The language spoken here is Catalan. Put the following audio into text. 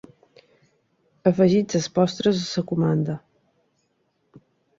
Afegits els postres a la comanda.